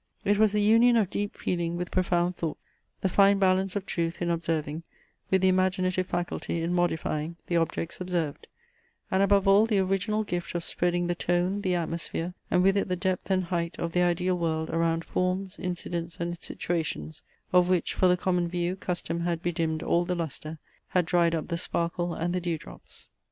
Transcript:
It was the union of deep feeling with profound thought; the fine balance of truth in observing, with the imaginative faculty in modifying, the objects observed; and above all the original gift of spreading the tone, the atmosphere, and with it the depth and height of the ideal world around forms, incidents, and situations, of which, for the common view, custom had bedimmed all the lustre, had dried up the sparkle and the dew drops.